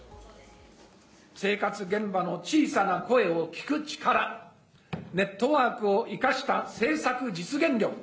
生活現場の小さな声を聴く力、ネットワークを生かした政策実現力。